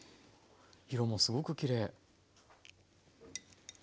色もすごくきれい。